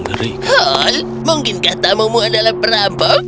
hall mungkin kata mu adalah perampok